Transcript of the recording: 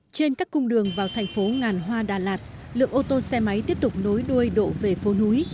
trên các cung đường vào thành phố ngàn hoa đà lạt lượng ô tô xe máy tiếp tục nối đuôi đổ về phố núi